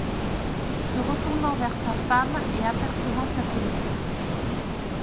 Se retournant vers sa femme et apercevant sa tenue.